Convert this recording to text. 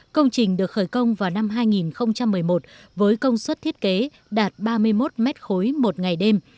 công trình được khởi công vào năm hai nghìn một mươi một với công suất thiết kế đạt ba mươi một m khối một ngày đêm